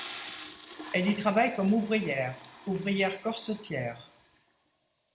Elle y travaille comme ouvrière, ouvrière corsetière.